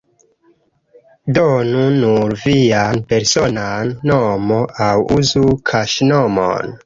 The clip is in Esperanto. Donu nur vian personan nomon, aŭ uzu kaŝnomon.